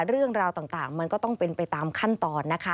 เรื่องราวต่างมันก็ต้องเป็นไปตามขั้นตอนนะคะ